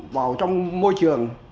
vào trong môi trường